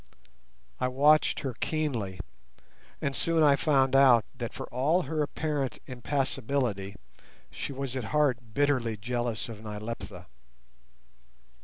I watched her keenly, and soon I found out that for all her apparent impassibility she was at heart bitterly jealous of Nyleptha.